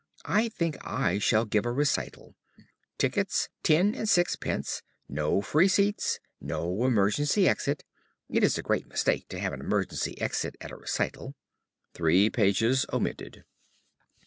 I think I shall give a recital. Tickets 10/6d. No free seats. No emergency exit. It is a great mistake to have an emergency exit at a recital. (_Three pages omitted.